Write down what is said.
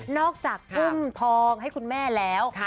อกจากอุ้มทองให้คุณแม่แล้ว